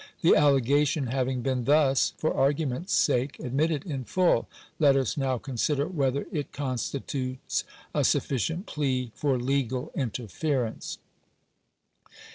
The allegation having been thus, for argument's sake, admitted in full, let us now consider whether it constitutes a sufficient plea for legal interference.